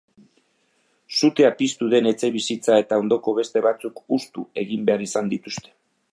Sutea piztu den etxebizitza eta ondoko beste batzuk hustu egin behar izan dituzte.